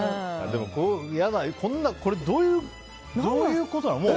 でも、これどういうことなの？